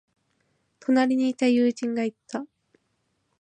隣にいた友人が言った。